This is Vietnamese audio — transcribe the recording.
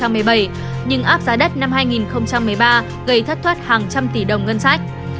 nhưng áp giá đất năm hai nghìn một mươi ba gây thất thoát hàng trăm tỷ đồng ngân sách